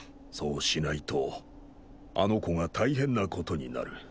そうしないとあの子が大変な事になる。